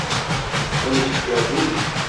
Onu hiç gördün mü?